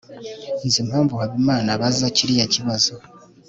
nzi impamvu habimana abaza kiriya kibazo